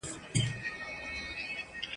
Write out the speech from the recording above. ملنګه ! يو تسنيم په سخن فهمو پسې مړ شو !.